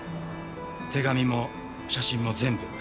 手紙も写真も全部。